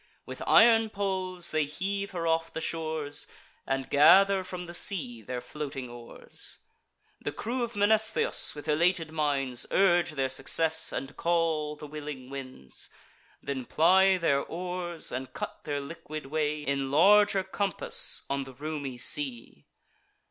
With iron poles they heave her off the shores, And gather from the sea their floating oars. The crew of Mnestheus, with elated minds, Urge their success, and call the willing winds; Then ply their oars, and cut their liquid way In larger compass on the roomy sea.